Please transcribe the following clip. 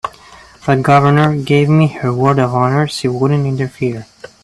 The Governor gave me her word of honor she wouldn't interfere.